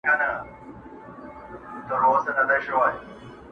ناز دي کمه سوله دي کم جنګ دي کم،